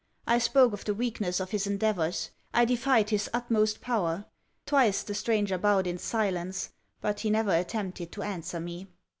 I spoke of the weakness of his endeavours. I defied his utmost power. Twice the stranger bowed in silence; but he never attempted to answer me.